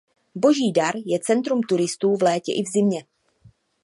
Boží Dar je centrem turistů v létě i v zimě.